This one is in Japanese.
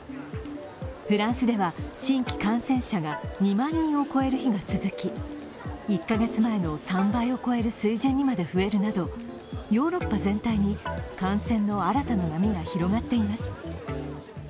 フランスでは、新規感染者が２万人を超える日が続き１カ月前の３倍を超える水準にまで増えるなどヨーロッパ全体に感染の新たな波が広がっています。